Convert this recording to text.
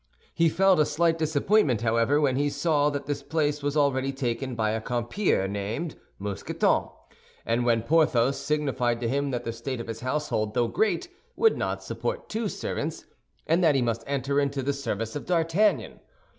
He felt a slight disappointment, however, when he saw that this place was already taken by a compeer named Mousqueton, and when Porthos signified to him that the state of his household, though great, would not support two servants, and that he must enter into the service of D'Artagnan.